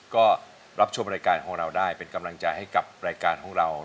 ก็รับชมรายการของเราได้เป็นกำลังใจให้กับรายการของเรา